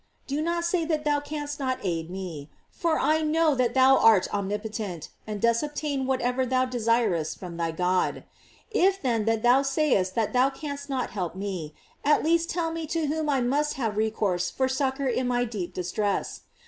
Do not say that thou canst not aid me, for I know that thou art omnipotent, and dost obtain whatever thou desireth from thy God. If then fthou eayest that thou canst not help me, at least GLORIES OF MARY. 79 tell me to whom I must have recourse for succoi in my deep distress.